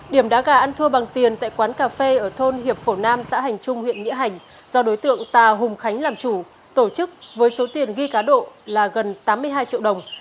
điểm đá gà ăn thua bằng tiền tại quán cà phê ở thôn hiệp phổ nam xã hành trung huyện nghĩa hành do đối tượng tà hùng khánh làm chủ tổ chức với số tiền ghi cá độ là gần tám mươi hai triệu đồng